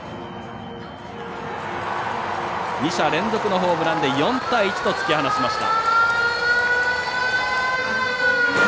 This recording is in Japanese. ２者連続のホームランで４対１と突き放しました。